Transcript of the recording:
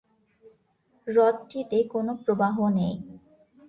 হ্রদটিতে কোন প্রবাহ নেই।